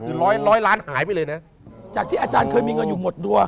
คือร้อยร้อยล้านหายไปเลยนะจากที่อาจารย์เคยมีเงินอยู่หมดตัว